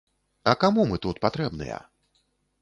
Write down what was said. А каму мы тут патрэбныя?